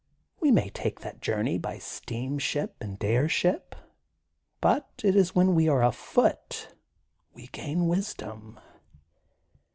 We may take part of that journey by steam ship and airship but it is when we are afoot we gain wisdom.'